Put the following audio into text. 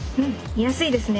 見やすいですね！